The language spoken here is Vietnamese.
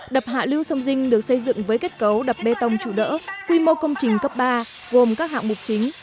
đập hạ lưu sông dinh được xây dựng với kết cấu đập bê tông trụ đỡ quy mô công trình cấp ba gồm các hạng mục chính